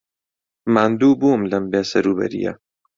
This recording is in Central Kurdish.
ماندوو بووم لەم بێسەروبەرییە.